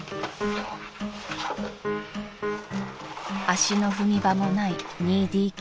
［足の踏み場もない２ＤＫ］